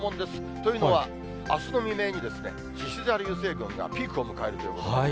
というのは、あすの未明にしし座流星群がピークを迎えるということなんですね。